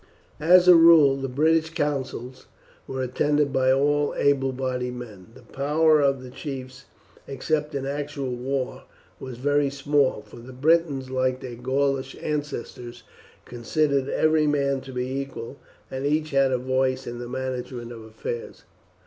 As a rule, the British councils were attended by all able bodied men. The power of the chiefs, except in actual war, was very small, for the Britons, like their Gaulish ancestors, considered every man to be equal, and each had a voice in the management of affairs.